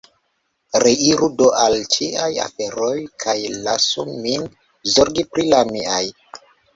Reiru do al ciaj aferoj, kaj lasu min zorgi pri la miaj.